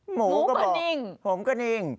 หมูก็บอกผมก็นิ่งหมูก็นิ่ง